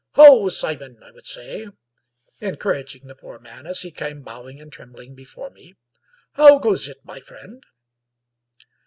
"Ho, Simon," I would say, encouraging the poor man as he came bowing and trembling before me, " how goes it, my friend?"